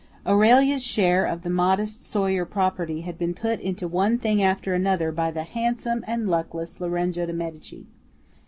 Aurelia's share of the modest Sawyer property had been put into one thing after another by the handsome and luckless Lorenzo de Medici.